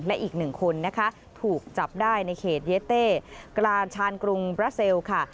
และอีก๑คนถูกจับได้ในเขตเยเต่กลานชานกรุงบราเซลค่ะ